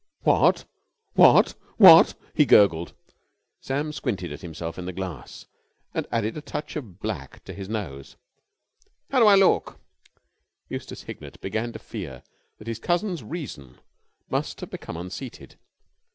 "What ... what ... what...?" he gurgled. Sam squinted at himself in the glass and added a touch of black to his nose. "How do I look?" Eustace Hignett began to fear that his cousin's reason must have become unseated.